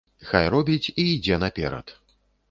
Хай робіць і ідзе наперад.